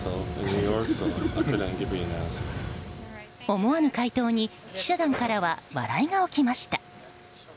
思わぬ回答に記者団からは笑いが起きました。